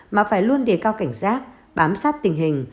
mà phải luôn đề cao cảnh giác bám sát tình hình